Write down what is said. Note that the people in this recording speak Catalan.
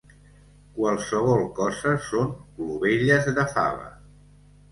Qualsevol cosa són clovelles de fava.